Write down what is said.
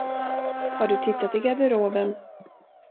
Har du tittat i garderoben?